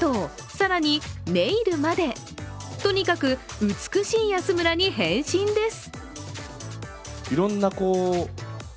更にネイルまでとにかく美しい安村に変身です。